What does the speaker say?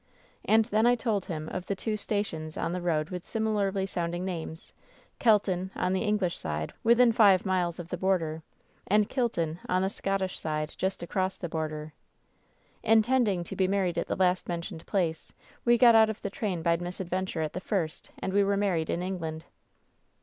"And then I told him of the two stations on the road with s imilarly sou ndingjpames — Kelton, on the English side, within five miles of the border, and Kilton, on the Scottish side, just across the border. ^Intending to be married at the last mentioned place, we got out of the train by misadventure at the first, and we were married in England.'